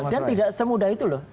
dan tidak semudah itu loh